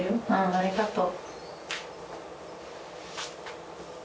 ありがとう。